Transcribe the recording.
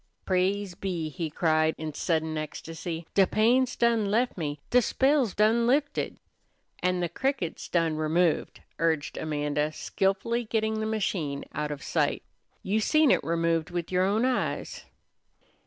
"Praise be!" he cried in sudden ecstasy. "De pain's done lef me, do spell's done lifted!" "An' the cricket's done removed," urged Amanda, skilfully getting the machine out of sight. "You seen it removed with yer own eyes."